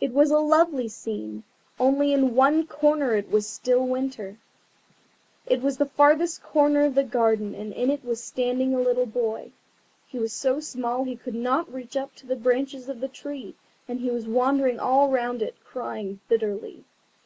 It was a lovely scene, only in one corner it was still winter. It was the farthest corner of the garden, and in it was standing a little boy. He was so small that he could not reach up to the branches of the tree, and he was wandering all round it, crying bitterly.